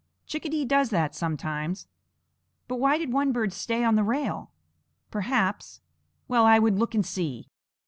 Chickadee does that sometimes. "But why did one bird stay on the rail? Perhaps" Well, I would look and see.